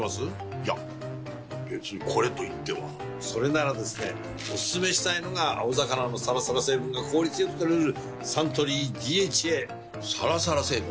いや別にこれといってはそれならですねおすすめしたいのが青魚のサラサラ成分が効率良く摂れるサントリー「ＤＨＡ」サラサラ成分？